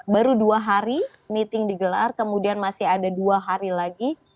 baru dua hari meeting digelar kemudian masih ada dua hari lagi